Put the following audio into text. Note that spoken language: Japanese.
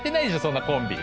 そんなコンビ。